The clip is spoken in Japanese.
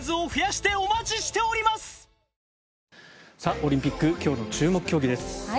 オリンピック今日の注目競技です。